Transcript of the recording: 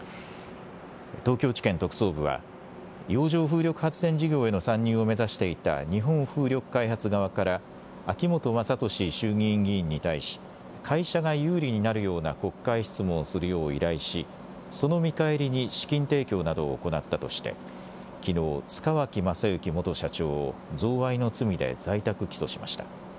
東京地検特捜部は洋上風力発電事業への参入を目指していた日本風力開発側から秋本真利衆議院議員に対し会社が有利になるような国会質問をするよう依頼し、その見返りに資金提供などを行ったとしてきのう塚脇正幸元社長を贈賄の罪で在宅起訴しました。